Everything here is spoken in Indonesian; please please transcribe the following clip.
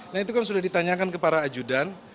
nah itu kan sudah ditanyakan ke para ajudan